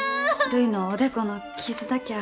るいのおでこの傷だきゃあ